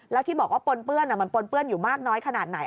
แล้วที่บอกว่าปนเปื้อนมันปนเปื้อนอยู่มากน้อยขนาดไหน